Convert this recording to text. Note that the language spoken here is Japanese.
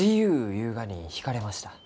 ゆうがに引かれました。